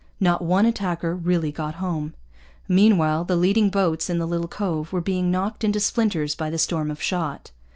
Not one attacker really got home. Meanwhile the leading boats in the little cove were being knocked into splinters by the storm of shot.